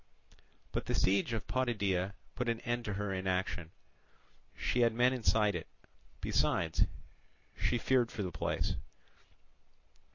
But the siege of Potidæa put an end to her inaction; she had men inside it: besides, she feared for the place.